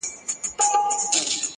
که دا دنیا او که د هغي دنیا حال ته ګورم